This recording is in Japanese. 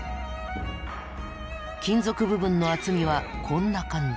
金属部分の厚みはこんな感じ。